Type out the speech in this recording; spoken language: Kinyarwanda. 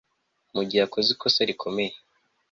Mu gihe akoze ikosa rikomeye